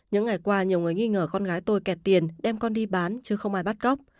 những ngày qua nhiều người nghi ngờ con gái tôi kẹt tiền đem con đi bán chứ không ai bắt cóc